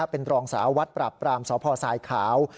เป็นรองสาววัดปราบปรามสพสายขาว